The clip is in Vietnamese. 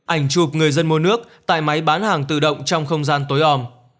ảnh chụp người dân mua nước tại máy bán hàng tự động trong không gian tối ẩm